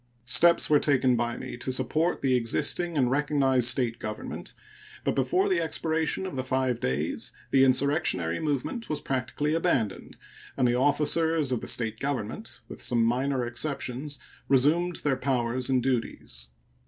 Steps were taken by me to support the existing and recognized State government, but before the expiration of the five days the insurrectionary movement was practically abandoned, and the officers of the State government, with some minor exceptions, resumed their powers and duties.